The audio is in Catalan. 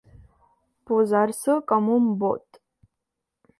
Posar-se com un bot.